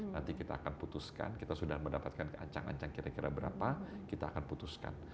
nanti kita akan putuskan kita sudah mendapatkan ancang ancang kira kira berapa kita akan putuskan